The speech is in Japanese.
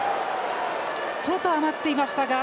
外、余っていましたが。